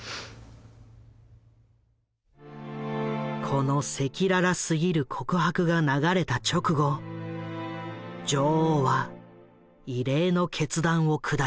この赤裸々すぎる告白が流れた直後女王は異例の決断を下した。